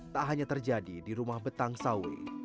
tak hanya terjadi di rumah betang sawi